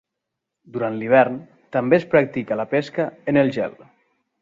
Durant l'hivern, també es practica la pesca en el gel.